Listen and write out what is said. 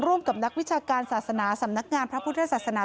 ร่วมกับนักวิชาการศาสนาสำนักงานพระพุทธศาสนา